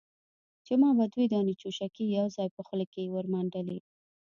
چې ما به دوې دانې چوشکې يوځايي په خوله کښې ورمنډلې.